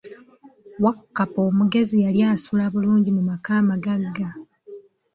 Wakkapa omugezi yali assula bulungi mu maka amagagga.